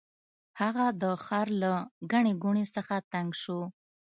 هغه د ښار له ګڼې ګوڼې څخه تنګ شو.